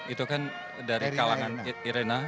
itu kan dari kalangan irena